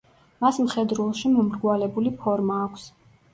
მას მხედრულში მომრგვალებული ფორმა აქვს.